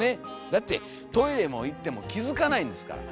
だってトイレも行っても気付かないんですから。